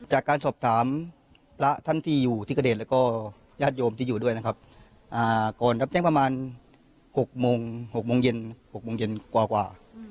หกโมงเย็นกว่า